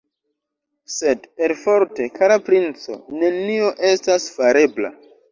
Sed perforte, kara princo, nenio estas farebla!